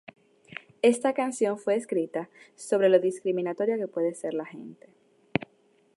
Esta canción fue escrita sobre lo discriminatoria que puede ser la gente.